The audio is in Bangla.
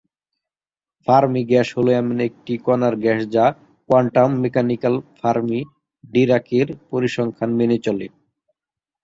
ফার্মি গ্যাস হলো এমন একটি কণার গ্যাস যা কোয়ান্টাম মেকানিকাল ফার্মি-ডািরাকের পরিসংখ্যান মেনে চলে।